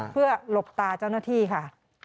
เพื่อหลบตาเจ้าหน้าที่ค่ะ